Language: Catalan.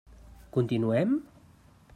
Continuem?